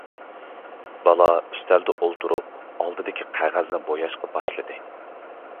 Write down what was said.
بالا ئۈستەلدە ئولتۇرۇپ ئالدىدىكى قەغەزنى بوياشقا باشلىدى.